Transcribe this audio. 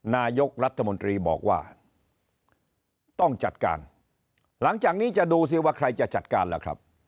นายกรัฐมนตรีบอกว่าต้องจัดการหลังจากนี้จะดูสิว่าใครจะจัดการล่ะครับ